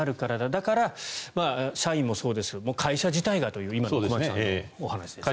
だから、社員もそうですが会社自体がという今の駒木さんのお話ですね。